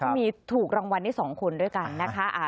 มีถูกรางวัลได้๒คนด้วยกันนะคะ